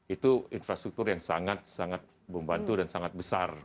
itu infrastruktur yang sangat sangat membantu dan sangat besar